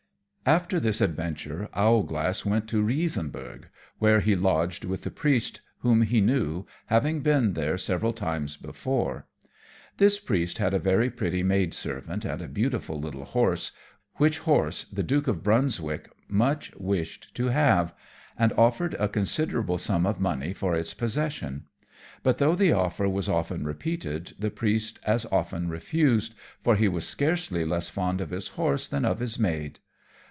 _ After this adventure, Owlglass went to Riesenburgh, where he lodged with the Priest, whom he knew, having been there several times before. This priest had a very pretty maid servant and a beautiful little horse, which horse the Duke of Brunswick much wished to have, and offered a considerable sum of money for its possession; but though the offer was often repeated the Priest as often refused, for he was scarcely less fond of his horse than of his maid.